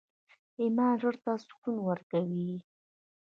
ایمان زړه ته سکون ورکوي